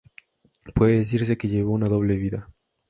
Puede decirse que llevó una doble vida.